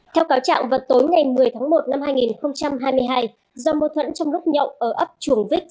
theo cáo trạng vào tối ngày một mươi tháng một năm hai nghìn hai mươi hai do mâu thuẫn trong lúc nhậu ở ấp chuồng vích